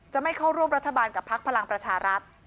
ไม่เข้าร่วมรัฐบาลกับพักพลังประชารัฐ